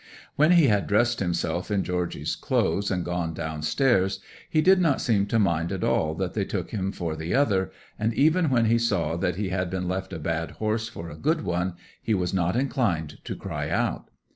'When he had dressed himself in Georgy's clothes and gone downstairs, he did not seem to mind at all that they took him for the other; and even when he saw that he had been left a bad horse for a good one, he was not inclined to cry out.